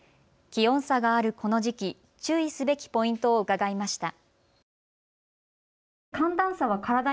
気温差があるこの時期、注意すべきポイントを伺いました。